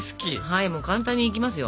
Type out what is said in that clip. はいもう簡単にいきますよ。